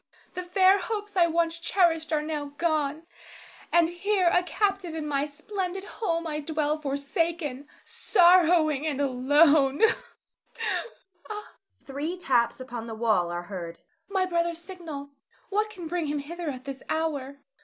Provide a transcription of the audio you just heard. The fair hopes I once cherished are now gone, and here a captive in my splendid home I dwell forsaken, sorrowing and alone [weeps]. [Three taps upon the wall are heard.] Ha, my brother's signal! What can bring him hither at this hour?